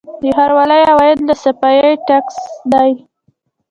د ښاروالۍ عواید له صفايي ټکس دي